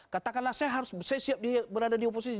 katakanlah saya harus saya siap berada di oposisi